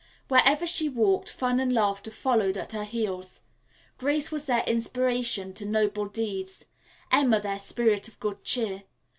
Wherever she walked, fun and laughter followed at her heels. Grace was their inspiration to noble deeds; Emma their spirit of good cheer.